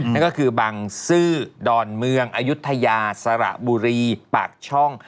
นั่นก็คือบังซื้อดอนเมืองอายุทยาสระบุรีปากช่อง